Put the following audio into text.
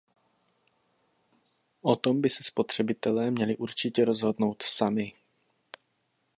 O tom by se spotřebitelé měli určitě rozhodnout sami.